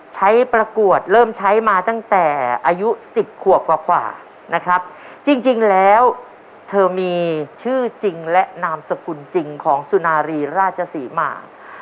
ประกวดเริ่มใช้มาตั้งแต่อายุสิบขวบกว่านะครับจริงแล้วเธอมีชื่อจริงและนามสกุลจริงของสุนารีราชศรีมา